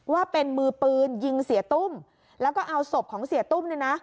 ว่าเป็นมือปืนยิงเสียตุ้มแล้วก็เอาศพของเสียตุ้มเนี่ยนะ